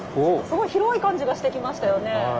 すごい広い感じがしてきましたよね。